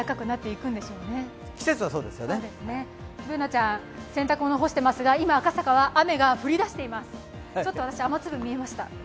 Ｂｏｏｎａちゃん、洗濯物干していますが今、赤坂は雨が降り出してきました私、雨粒見えました。